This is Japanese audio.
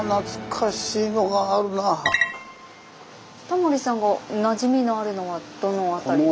タモリさんがなじみのあるのはどの辺りが。